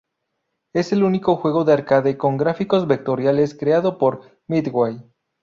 Es el único juego de arcade con gráficos vectoriales creado por Midway.